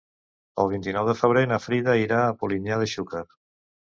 El vint-i-nou de febrer na Frida irà a Polinyà de Xúquer.